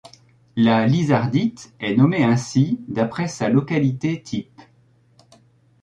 La lizardite est nommée ainsi d'après sa localité type.